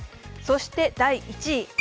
そして、第１位